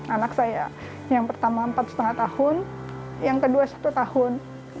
anak saya yang pertama empat lima tahun yang kedua satu tahun